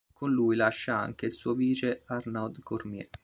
Con lui lascia anche il suo vice Arnaud Cormier.